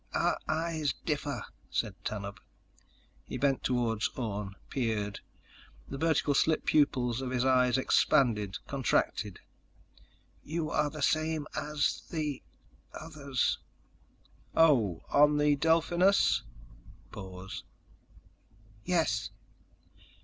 "Our eyes differ," said Tanub. He bent toward Orne, peered. The vertical slit pupils of his eyes expanded, contracted. "You are the same as the ... others." "Oh, on the Delphinus?" Pause. "Yes."